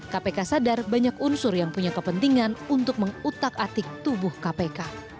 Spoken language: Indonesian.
kpk sadar banyak unsur yang punya kepentingan untuk mengutak atik tubuh kpk